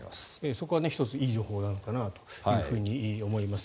そこは１ついい情報なのかなと思います。